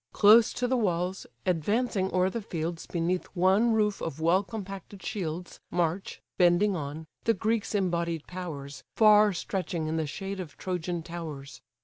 Close to the walls, advancing o'er the fields Beneath one roof of well compacted shields, March, bending on, the Greeks' embodied powers, Far stretching in the shade of Trojan towers.